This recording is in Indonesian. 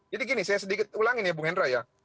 jadi gini saya sedikit ulangin ya bung hendra ya